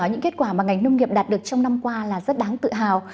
những kết quả mà ngành nông nghiệp đạt được trong năm qua là rất đáng tự hào